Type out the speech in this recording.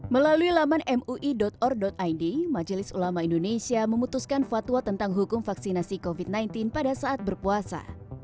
melalui laman mui or id majelis ulama indonesia memutuskan fatwa tentang hukum vaksinasi covid sembilan belas pada saat berpuasa